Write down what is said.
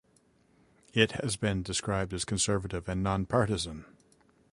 It has been described as conservative and non-partisan.